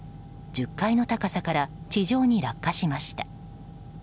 １０階の高さから地上に落下しました。